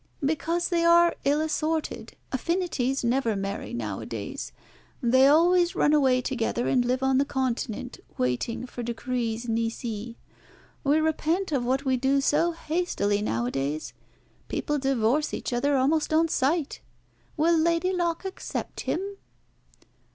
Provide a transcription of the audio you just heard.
"Because they are ill assorted. Affinities never marry nowadays. They always run away together and live on the Continent, waiting for decrees nisi. We repent of what we do so hastily nowadays. People divorce each other almost on sight. Will Lady Locke accept him?"